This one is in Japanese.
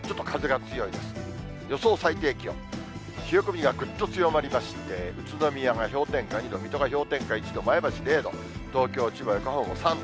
冷え込みがぐっと強まりまして、宇都宮が氷点下２度、水戸が氷点下１度、前橋０度、東京、千葉、横浜も３度。